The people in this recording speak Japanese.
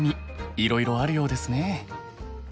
いろいろあるようですね。